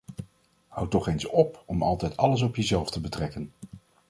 Hou toch eens op om altijd alles op jezelf te betrekken!